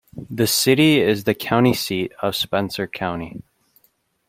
The city is the county seat of Spencer County.